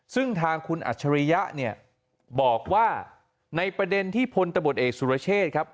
ซึ่งทางคุณอัจฉริยะเนี่ยบอกว่าในประเด็นที่พลตำรวจเอกสุรเชษครับ